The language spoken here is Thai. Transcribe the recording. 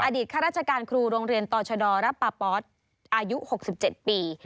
อดีตค่าราชการครูโรงเรียนต่อชะดอร์รับประปอดอายุ๖๗ปี